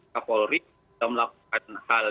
kapolri sudah melakukan hal